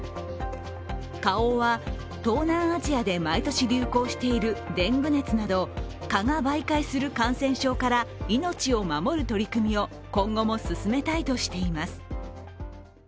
花王は、東南アジアで毎年流行しているデング熱など蚊が媒介する感染症から命を守る取り組みを今後も進めたいとしています。